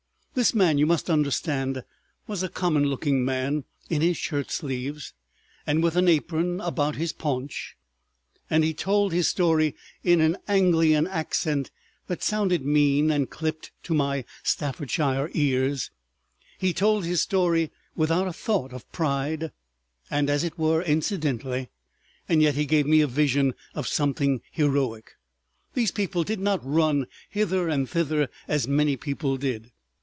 . This man, you must understand, was a common looking man, in his shirt sleeves and with an apron about his paunch, and he told his story in an Anglian accent that sounded mean and clipped to my Staffordshire ears; he told his story without a thought of pride, and as it were incidentally, and yet he gave me a vision of something heroic. These people did not run hither and thither as many people did.